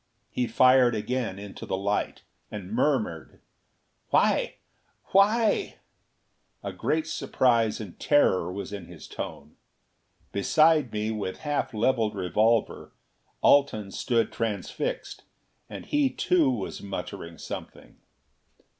He fired again, into the light and murmured, "Why why " A great surprise and terror was in his tone. Beside me, with half leveled revolver, Alten stood transfixed. And he too was muttering something.